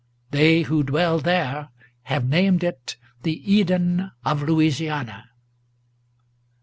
They who dwell there have named it the Eden of Louisiana."